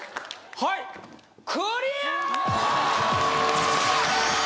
はいクリア！